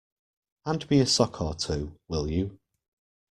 Hand me a sock or two, will you?